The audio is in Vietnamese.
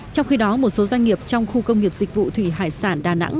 trong khi đó một số doanh nghiệp trong khu công nghiệp dịch vụ thủy hải sản đà nẵng